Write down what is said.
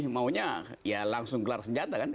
maunya langsung kelar senjata